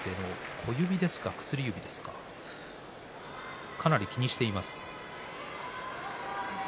小指ですか、薬指ですかかなり気にしています。